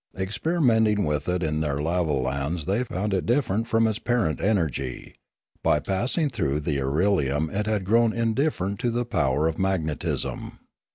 Experimenting with it in their lavolans they found it different from its parent energy; by passing through the irelium it had grown indifferent to the power of magnetism.